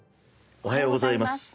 おはようございます。